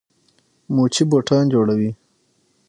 موچي بوټان جوړوي.